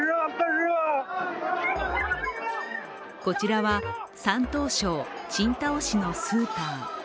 こちらは、山東省青島市のスーパー。